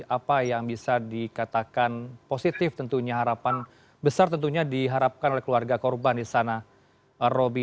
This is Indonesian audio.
apa yang bisa dikatakan positif tentunya harapan besar tentunya diharapkan oleh keluarga korban di sana roby